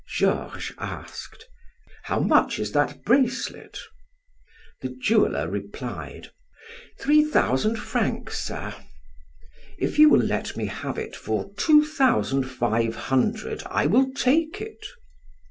Georges asked: "How much is that bracelet?" The jeweler replied: "Three thousand francs, sir." "If you will let me have it for two thousand five hundred, I will take it."